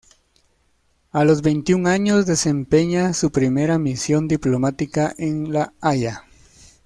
A los veintiún años desempeña su primera misión diplomática en La Haya.